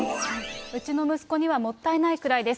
うちの息子にはもったいないくらいです。